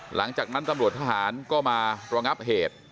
หลังจากนั้นตำรวจทหารก็มารองับเหตุ